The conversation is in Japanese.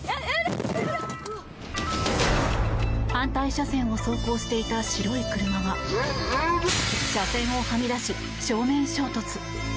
反対車線を走行していた白い車が車線をはみ出し、正面衝突。